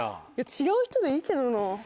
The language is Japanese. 違う人でいいけどな。